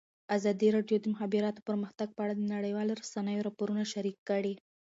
ازادي راډیو د د مخابراتو پرمختګ په اړه د نړیوالو رسنیو راپورونه شریک کړي.